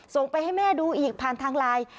ส่งไปให้แม่ดูอีกผ่านทางไลน์